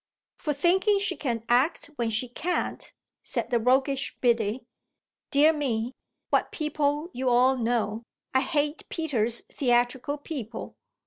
"For thinking she can act when she can't," said the roguish Biddy. "Dear me, what people you all know! I hate Peter's theatrical people."